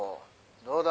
どうだ？